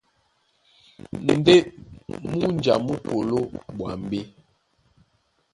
Ndé múnja mú koló ɓwambí.